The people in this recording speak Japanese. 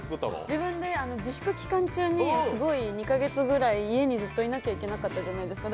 自分で自粛期間中に２カ月ぐらいずっと家にいなきゃいけなかったじゃないですか。